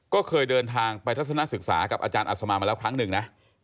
ก็เคยเดินทางไปทัศนศึกษากับอาจารย์อัศมามาแล้วครั้งหนึ่งนะ